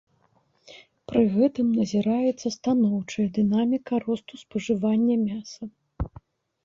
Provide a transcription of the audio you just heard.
Пры гэтым назіраецца станоўчая дынаміка росту спажывання мяса.